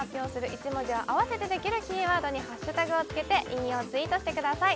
１文字を合わせてできるキーワードにハッシュタグを付けて引用ツイートしてください